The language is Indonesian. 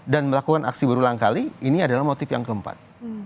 dan melakukan aksi berulang kali ini adalah motif yang keempat